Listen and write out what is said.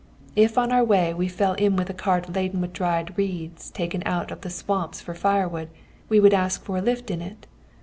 If on our way we fell in with a cart laden with dried reeds taken out of the swamps for firewood, we would ask for a lift in it.